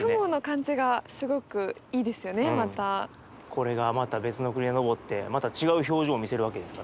これがまた別の国で昇ってまた違う表情を見せるわけですから。